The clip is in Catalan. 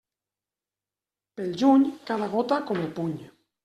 Pel juny, cada gota com el puny.